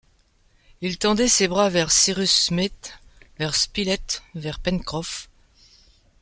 Il tendait ses bras vers Cyrus Smith, vers Spilett, vers Pencroff !